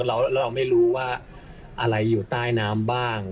แล้วเราไม่รู้ว่าอะไรอยู่ใต้น้ำบ้าง